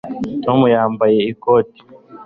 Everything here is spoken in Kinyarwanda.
tom yambaye ikote